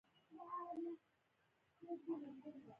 کېږي، خدای مهربانه دی، کار به یې وشي.